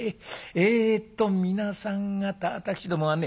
えっと皆さん方私どもはね